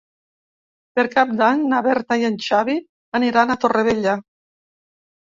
Per Cap d'Any na Berta i en Xavi aniran a Torrevella.